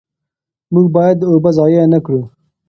موږ باید اوبه ضایع نه کړو.